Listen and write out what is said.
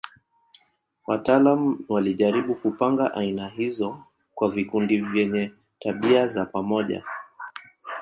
Wataalamu walijaribu kupanga aina hizo kwa vikundi vyenye tabia za pamoja.